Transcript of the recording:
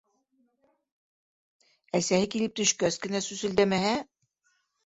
Әсәһе килеп төшкәс кенә сүселдәмәһә.